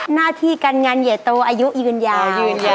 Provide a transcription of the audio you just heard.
หน้าที่กันงานอย่ามีใหญ่โตอายุยืนยาว